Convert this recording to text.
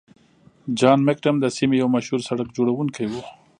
جان مکډم د سیمې یو مشهور سړک جوړونکی و.